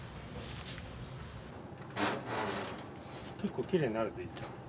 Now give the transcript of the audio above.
結構きれいになるねいっちゃん。